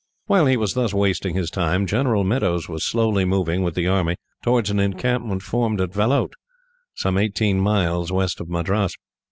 While he was thus wasting his time, General Meadows was slowly moving, with the army, towards an encampment formed at Vellout, some eighteen miles west of Madras.